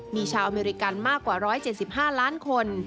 มีชาวอเมริกันมากกว่า๑๗๕ล้านคน